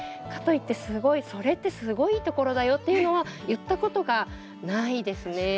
かといってすごいそれってすごいいいところだよっていうのは言ったことがないですね。